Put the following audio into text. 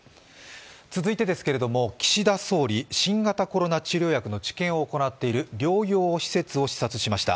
続いて岸田総理、新型コロナ治療薬の治験を行っている療養施設を視察しました。